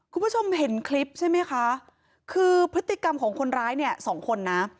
คุณผู้ชมเห็นคลิปใช่ไหมคะคือพฤติกรรมของคนร้ายเนี่ยสองคนนะ